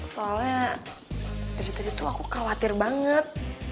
soalnya dari tadi tuh aku khawatir banget